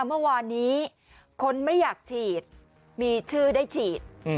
เมื่อวานนี้คนไม่อยากฉีดมีชื่อได้ฉีด